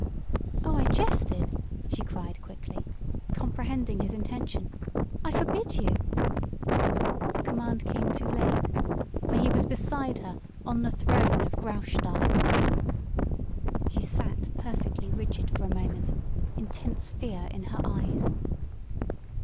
"Oh, I jested," she cried quickly, comprehending his intention. "I forbid you!" The command came too late, for he was beside her on the throne of Graustark! She sat perfectly rigid for a moment, intense fear in her eyes.